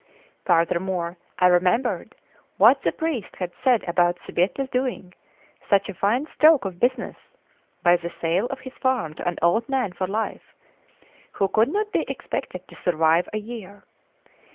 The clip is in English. Furthermore, I remembered what the priest had said about Sbietta's doing such a fine stroke of business by the sale of his farm to an old man for life, who could not be expected to survive a year.